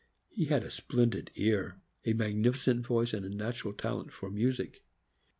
He had a splendid ear, a magnificent voice, and a natural talent for music.